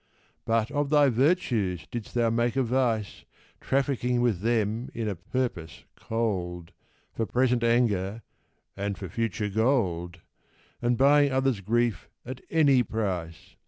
But of thy virtues didst thou make a vice, Trafficking with them in a purpose cold, For present anger, and for future gold And buying others' grief at any price.